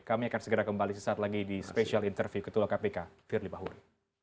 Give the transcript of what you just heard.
kami akan segera kembali sesaat lagi di special interview ketua kpk firly bahuri